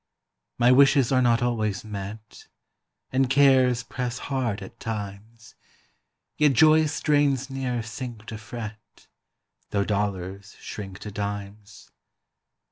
My wishes are not always met, And cares press hard at times; Yet joyous strains ne'er sink to fret, Tho' dollars shrink to dimes.